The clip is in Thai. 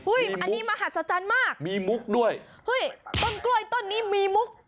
อันนี้มหัศจรรย์มากมีมุกด้วยเฮ้ยต้นกล้วยต้นนี้มีมุก